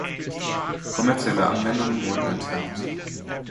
Kommerzielle Anwendungen wurden entfernt.